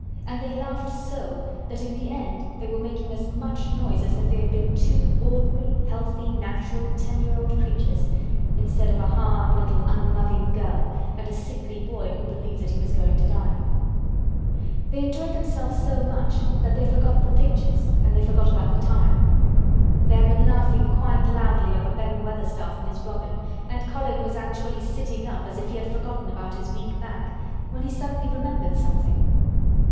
And they laughed so that in the end they were making as much noise as if they had been two ordinary healthy natural ten year old creatures—instead of a hard, little, unloving girl and a sickly boy who believed that he was going to die. They enjoyed themselves so much that they forgot the pictures and they forgot about the time. They had been laughing quite loudly over Ben Weatherstaff and his robin, and Colin was actually sitting up as if he had forgotten about his weak back, when he suddenly remembered something.